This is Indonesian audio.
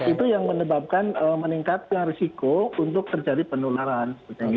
itu yang menyebabkan meningkatkan risiko untuk terjadi penularan